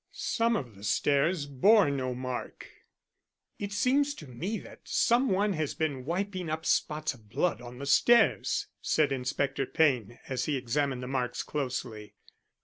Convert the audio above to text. Some of the stairs bore no mark. "It seems to me that some one has been wiping up spots of blood on the stairs," said Inspector Payne, as he examined the marks closely.